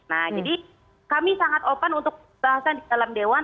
nah jadi kami sangat open untuk bahasan di dalam dewan